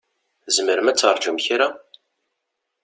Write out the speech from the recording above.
Tzemrem ad terǧum kra?